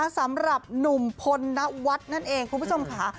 สำหรับหนุ่มพลนวัฒน์นั่นเองคุณผู้ชมค่ะ